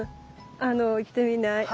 あの行ってみない？